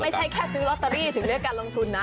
มันไม่ใช่แค่ซื้อเราะตารีถึงเลือกการลงทุนนะ